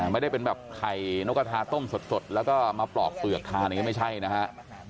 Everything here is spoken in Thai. ไม่ได้เป็นแบบไข่นกกระทาต้มสดแล้วก็มาปลอกเปลือกทานอย่างนี้ไม่ใช่นะฮะ